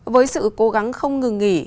với sự cố gắng không ngừng nghỉ